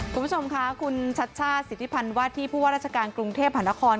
คุณผู้ชมค่ะคุณชัชชาติสิทธิพันธ์ว่าที่ผู้ว่าราชการกรุงเทพหานคร